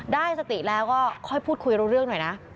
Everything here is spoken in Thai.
ได้สติแล้วก็ค่อยพูดคุยรู้เรื่องหน่อยนะ